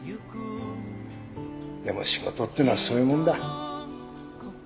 でも仕事っていうのはそういうもんだ。